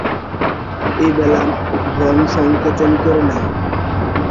এইবেলা ভ্রম সংশোধন করে নাও।